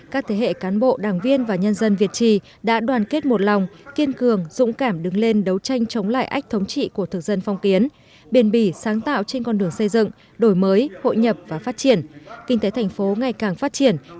chỉ bộ đảng bạch hạc việt trì